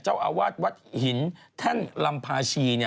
เจ้าอาวาสวัดหินแท่นลำพาชี